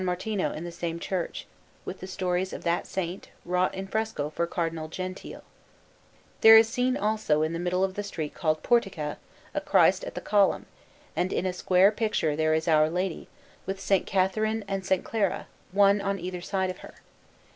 Martino in the same church, with the stories of that Saint, wrought in fresco for Cardinal Gentile. There is seen, also, in the middle of the street called Portica, a Christ at the Column, and in a square picture there is Our Lady, with S. Catherine and S. Clara, one on either side of her.